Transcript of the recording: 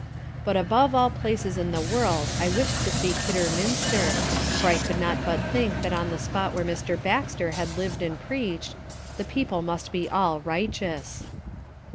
But above all places in the world I wish'd to see Kidderminster, for I could not but think that on the spot where Mr. Baxter had liv'd, and preach'd, the people must be all Righteous.